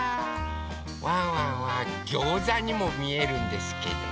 ワンワンはギョーザにもみえるんですけど。